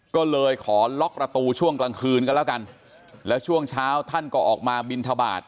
ก็เลยขอล็อกประตูช่วงกลางคืนก็แล้วกันแล้วช่วงเช้าท่านก็ออกมาบินทบาท